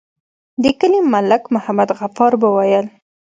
د کلي ملک محمد غفار به ويل.